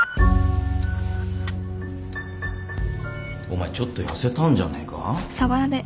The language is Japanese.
お前ちょっと痩せたんじゃねえか？